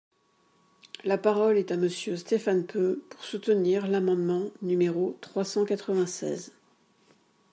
La parole est à Monsieur Stéphane Peu, pour soutenir l’amendement numéro trois cent quatre-vingt-seize.